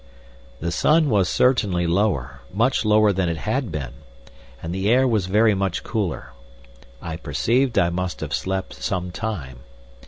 The sun was certainly lower, much lower than it had been; the air was very much cooler. I perceived I must have slept some time.